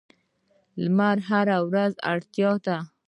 لمر ته هره ورځ اړتیا ده.